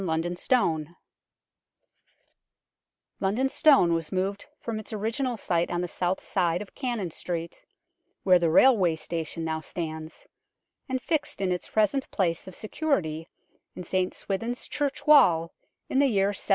LONDON STONE 139 London Stone was moved from its original site on the south side of Cannon Street, where the railway station now stands, and fixed in its present place of security in St Swithin's Church wall in the year 1798.